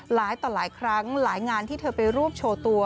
หลายต่อหลายครั้งหลายงานที่เธอไปรวบโชว์ตัว